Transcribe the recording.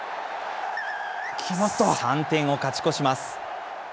３点を勝ち越します。